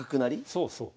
そうそう。